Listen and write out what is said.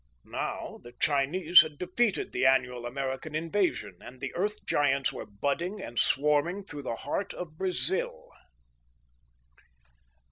Now the Chinese had defeated the annual American invasion, and the Earth Giants were budding and swarming through the heart of Brazil.